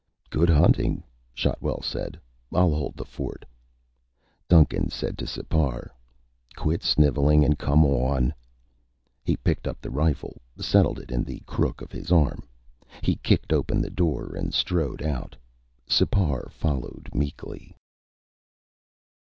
"Good hunting," Shotwell said. "I'll hold the fort." Duncan said to Sipar: "Quit sniveling and come on." He picked up the rifle, settled it in the crook of his arm. He kicked open the door and strode out. Sipar followed meekly.